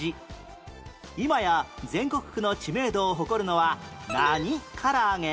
今や全国区の知名度を誇るのは何からあげ？